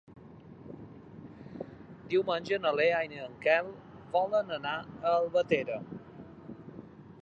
Diumenge na Lea i en Quel volen anar a Albatera.